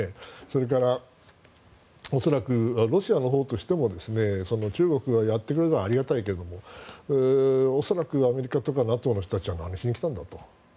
それから恐らくロシアのほうとしても中国がやってくれるのはありがたいけれど恐らく、アメリカとかＮＡＴＯの人たちは何しに来たんだと。